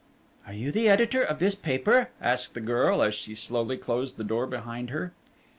"Are you the editor of this paper?" asked the girl, as she slowly closed the door behind her.